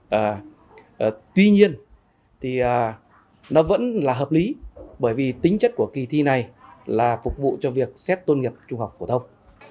và tuy nhiên thì nó vẫn là hợp lý bởi vì tính chất của kỳ thi này là phục vụ cho việc xét tôn nghiệp trung học phổ thông